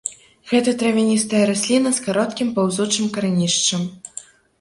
Гэта травяністыя расліна з кароткім паўзучым карэнішчам.